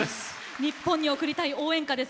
日本に贈りたい応援歌です。